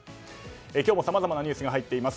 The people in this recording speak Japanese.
今日もさまざまなニュースが入っています。